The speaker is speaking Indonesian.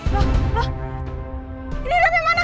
loh loh ini rasanya mana